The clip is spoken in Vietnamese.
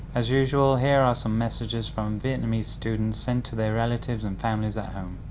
bạn nguyễn oanh du học sinh tại queensland australia